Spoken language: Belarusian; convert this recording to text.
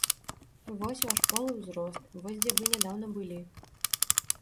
Вось ваш пол і ўзрост, вось дзе вы нядаўна былі.